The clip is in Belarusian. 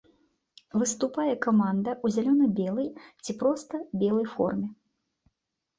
Выступае каманда ў зялёна-белай, ці проста белай форме.